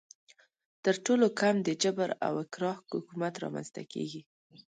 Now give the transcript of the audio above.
تر ټولو کم د جبر او اکراه حکومت رامنځته کیږي.